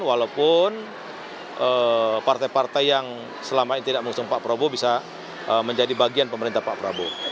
walaupun partai partai yang selama ini tidak mengusung pak prabowo bisa menjadi bagian pemerintah pak prabowo